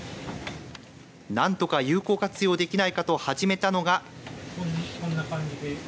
何とか有効活用できないかと始めたのが。